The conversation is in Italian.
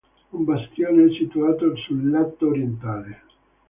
Un bastione è situato sul lato orientale.